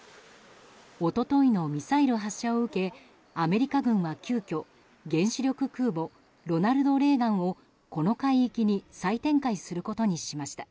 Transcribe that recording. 一昨日のミサイル発射を受けアメリカ軍は急きょ原子力空母「ロナルド・レーガン」をこの海域に再展開することにしました。